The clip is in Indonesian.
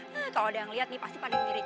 kalau ada yang liat nih pasti panggil diri